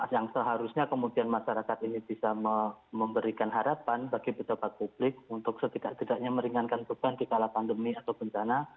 yang seharusnya kemudian masyarakat ini bisa memberikan harapan bagi pejabat publik untuk setidak tidaknya meringankan beban di kala pandemi atau bencana